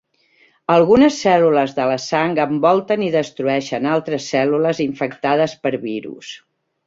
Algunes cèl·lules de la sang envolten i destrueixen altres cèl·lules infectades per virus.